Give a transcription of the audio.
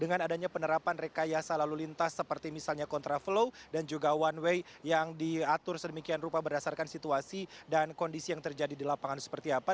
dengan adanya penerapan rekayasa lalu lintas seperti misalnya kontraflow dan juga one way yang diatur sedemikian rupa berdasarkan situasi dan kondisi yang terjadi di lapangan seperti apa